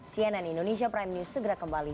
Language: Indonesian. cnn indonesia prime news segera kembali